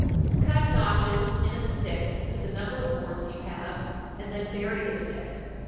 _ 923. Cut notches in a stick to the number of warts you have, and then bury the stick.